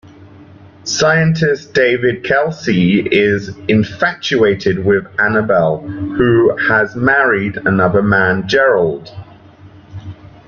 Scientist David Kelsey is infatuated with Annabelle, who has married another man, Gerald.